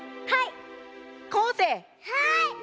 はい！